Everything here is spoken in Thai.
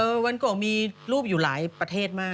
วันก่อนมีรูปอยู่หลายประเทศมาก